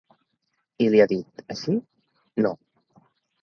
I li ha dit: Així, no.